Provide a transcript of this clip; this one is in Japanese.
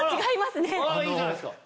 あらいいじゃないですか。